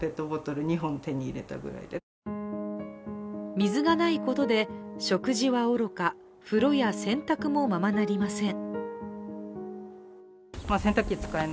水がないことで食事はおろか風呂や洗濯もままなりません。